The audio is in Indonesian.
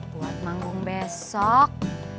buat manggung besok